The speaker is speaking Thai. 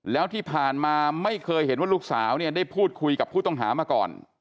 แล้วที่ผ่านมาไม่เคยเห็นว่าลูกสาวเนี่ยได้พูดคุยกับผู้ต้องหามาก่อน